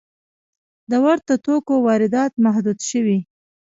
د ورته توکو واردات محدود شوي؟